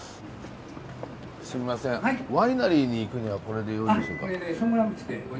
すみませんワイナリーに行くにはこれでよろしいでしょうか？